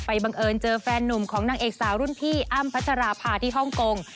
บังเอิญเจอแฟนนุ่มของนางเอกสาวรุ่นพี่อ้ำพัชราภาที่ฮ่องกง